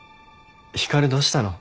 光どうしたの？